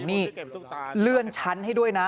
นี่เลื่อนชั้นให้ด้วยนะ